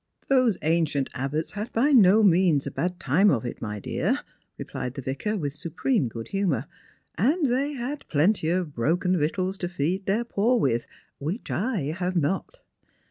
" Those ancient abbots had by no means a bad time of it, my dear," repUed the Vicar, with supreme good humour, " and they had plenty of broken victuals to feed their poor with, which I have not."